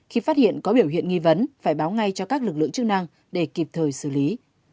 khi phát hiện có biểu hiện nghi vấn phải báo ngay cho các lực lượng chức năng để kịp thời xử lý